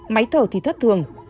máy thở thì thất thường